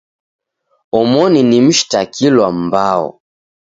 Omoni na mshitakilwa mbao